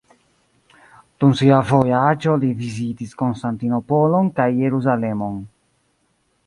Dum sia vojaĝo li vizitis Konstantinopolon kaj Jerusalemon.